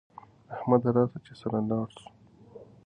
احمده راسه چې سره لاړ سو